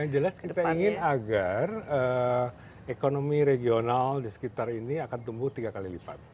yang jelas kita ingin agar ekonomi regional di sekitar ini akan tumbuh tiga kali lipat